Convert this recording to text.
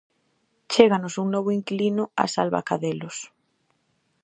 Chéganos un novo inquilino a Salvacadelos.